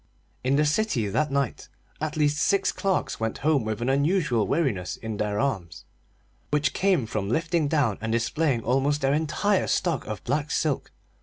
In the city that night at least six clerks went home with an unusual weariness in their arms, which came from lifting down and displaying almost their entire stock of black silk.